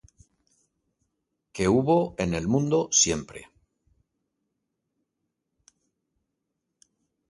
Que hubo en el mundo siempre,